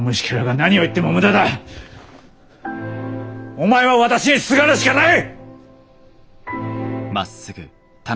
お前は私にすがるしかない！